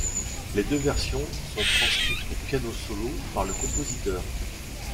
Les deux versions sont transcrites pour piano solo par le compositeur.